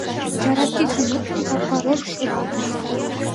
Чара кидшым луктын, капка рожыш шуралтыш.